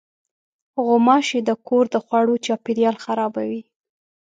غوماشې د کور د خوړو چاپېریال خرابوي.